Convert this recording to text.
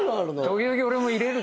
時々俺も入れるけど。